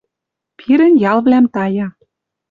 Пирӹн ялвлӓм тая.